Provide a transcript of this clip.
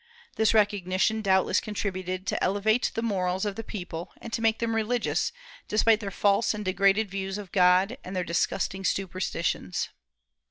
This recognition doubtless contributed to elevate the morals of the people, and to make them religious, despite their false and degraded views of God, and their disgusting superstitions.